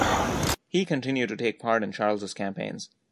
He continued to take part in Charles' campaigns.